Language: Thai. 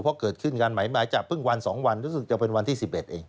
เพราะเกิดขึ้นการหมายหมายจับเพิ่งวัน๒วันรู้สึกจะเป็นวันที่๑๑เอง